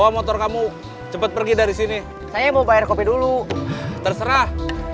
motor kamu cepet pergi dari sini saya mau bayar kopi dulu terserah